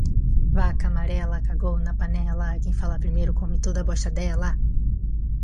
Vaca amarela cagou na panela quem falar primeiro come toda bosta dela.